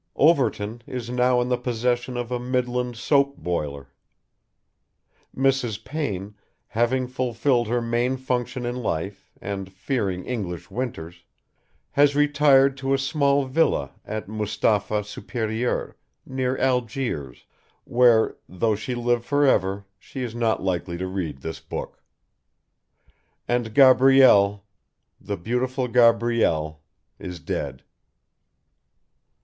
Overton is now in the possession of a Midland soap boiler. Mrs. Payne, having fulfilled her main function in life and fearing English winters, has retired to a small villa at Mustapha Superieur, near Algiers, where, though she live for ever she is not likely to read this book. And Gabrielle, the beautiful Gabrielle, is dead.